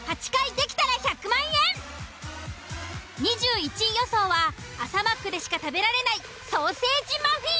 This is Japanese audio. ２１位予想は朝マックでしか食べられないソーセージマフィン。